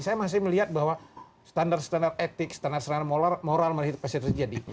saya masih melihat bahwa standar standar etik standar standar moral masih terjadi